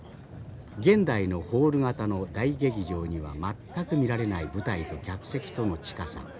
現代のホール型の大劇場には全く見られない舞台と客席との近さ。